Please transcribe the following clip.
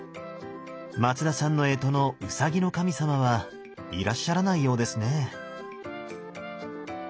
松田さんの干支の卯の神様はいらっしゃらないようですね。